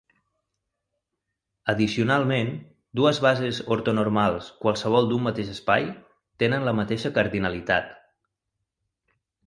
Addicionalment, dues bases ortonormals qualssevol d'un mateix espai tenen la mateixa cardinalitat.